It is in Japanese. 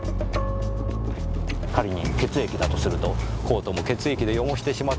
仮に血液だとするとコートも血液で汚してしまったのでしょう。